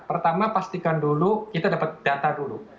pertama pastikan dulu kita dapat data dulu